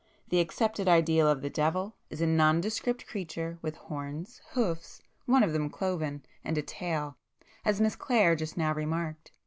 The accepted ideal of the devil is a nondescript creature, with horns, hoofs (one of them cloven) and a tail, as Miss Clare just now remarked.